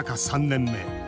３年目。